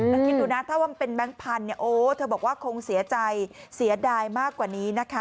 แล้วคิดดูนะถ้าว่ามันเป็นแบงค์พันธุเนี่ยโอ้เธอบอกว่าคงเสียใจเสียดายมากกว่านี้นะคะ